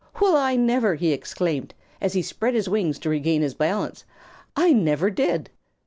"Well, I never!" he exclaimed, as he spread his wings to regain his balance. "I never did!"